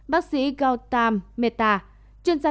bác sĩ gautam mehta